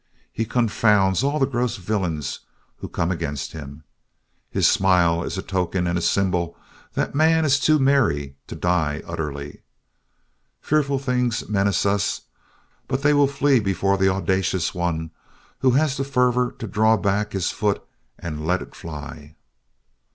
He confounds all the gross villains who come against him. His smile is a token and a symbol that man is too merry to die utterly. Fearful things menace us, but they will flee before the audacious one who has the fervor to draw back his foot and let it fly.